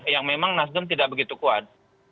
yang memang nasdem tidak begitu kuat